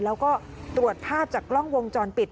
แล้วก็ตรวจภาพจากกล้องวงจรปิด